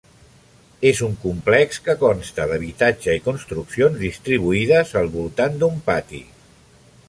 És un complex que consta d'habitatge i construccions distribuïdes al voltant d'un pati.